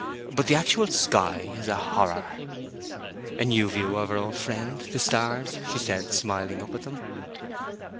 But the actual sky is a horror.' 'A new view of our old friends, the stars,' she said, smiling up at them.